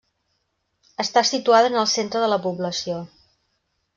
Està situada en el centre de la població.